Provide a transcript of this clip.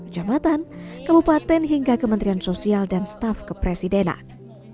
jambatan kabupaten hingga kementerian sosial dan staf kepresidenan